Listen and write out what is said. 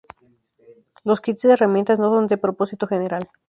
Los kits de herramientas no son de propósito general.